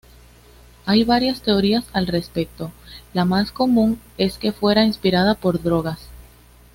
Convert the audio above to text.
Hay varias teorías al respecto; La más común es que fuera inspirada por drogas.